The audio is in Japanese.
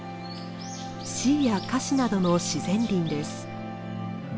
シイやカシなどの自然林です。